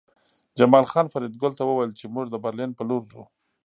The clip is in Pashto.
جمال خان فریدګل ته وویل چې موږ د برلین په لور ځو